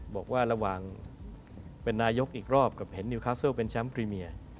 บอกว่าระหว่างเป็นนายกอีกรอบกับเห็นนิวคัสเลิลเป็นแชมป์พรีเมีย